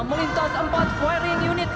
melintas empat firing unit